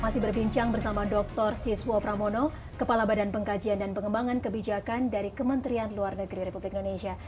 masih berbincang bersama dr siswo pramono kepala badan pengkajian dan pengembangan kebijakan dari kementerian luar negeri republik indonesia